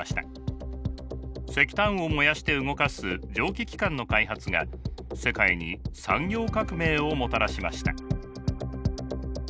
石炭を燃やして動かす蒸気機関の開発が世界に産業革命をもたらしました。